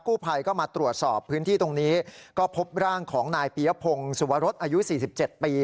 กู้ภัยก็มาตรวจสอบพื้นที่ตรงนี้ก็พบร่างของนายปียพงศ์สุวรสอายุ๔๗ปี